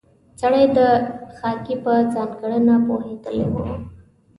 سړی د خاکې په ځانګړنه پوهېدلی و.